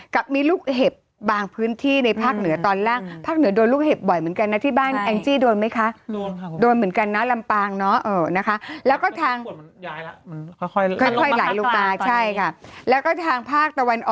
กับมีลูกเห็บบางพื้นที่ในภาคเหนือตอนแรกฝนเหนือโดนลูกเห็บบ่อยเหมือนกันนะที่บ้าน